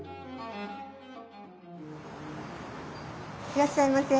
いらっしゃいませ。